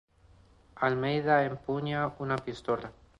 Almeida empuña una pistola.